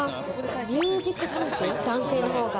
ミュージック関係、男性の方が。